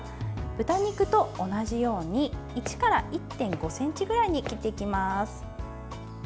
豚肉と同じように１から１．５ｃｍぐらいに切っていきます。